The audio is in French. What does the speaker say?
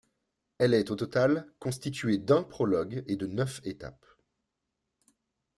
Elle est au total constituée d'un prologue et de neuf étapes.